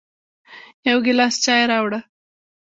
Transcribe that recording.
يو ګیلاس چای راوړه